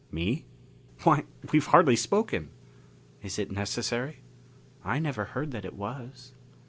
"Me? Why we've hardly spoken!" "Is it necessary? I never heard that it was."